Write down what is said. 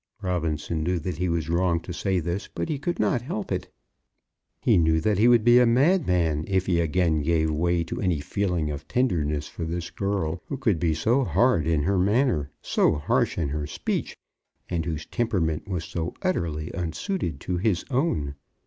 Robinson knew that he was wrong to say this, but he could not help it. He knew that he would be a madman if he again gave way to any feeling of tenderness for this girl, who could be so hard in her manner, so harsh in her speech, and whose temperament was so utterly unsuited to his own.